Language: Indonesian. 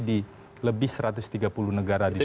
di lebih satu ratus tiga puluh negara di dunia